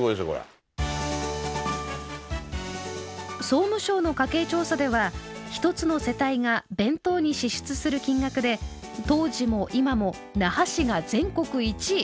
総務省の家計調査では一つの世帯が弁当に支出する金額で当時も今も那覇市が全国１位。